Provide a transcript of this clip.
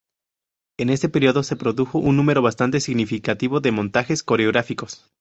En este período se produjo un número bastante significativo de montajes coreográficos.